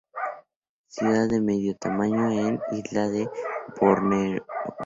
Ciudad de mediano tamaño en la isla de Borneo.